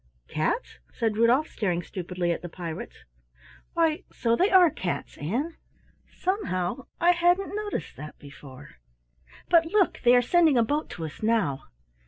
"Cats?" said Rudolf, staring stupidly at the pirates. "Why so they are cats, Ann! Somehow I hadn't noticed that before. But, look, they are sending a boat to us now."